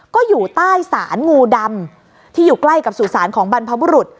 ก็อยู่ใต้สารงูดำที่อยู่ใกล้กับสุสานของบรรพบุรุษ